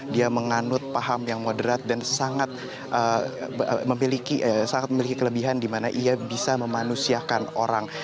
dia menganut paham yang moderat dan sangat memiliki kelebihan di mana ia bisa memanusiakan orang